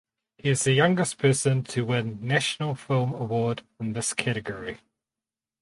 He is the youngest person to win National Film Award in this category.